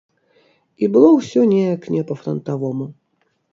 І было ўсё неяк не па-франтавому.